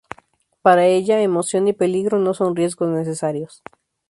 Para ella, emoción y peligro no son riesgos necesarios.